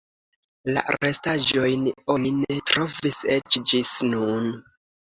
La restaĵojn oni ne trovis eĉ ĝis nun.